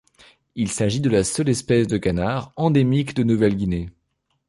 Il s'agit de la seule espèce de canard endémique de Nouvelle-Guinée.